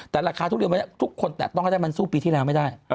แต่ราคาทุเรียนทุกคนต้องให้มันสู้ปีที่แล้วไม่ได้